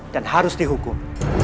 dan harus dihukum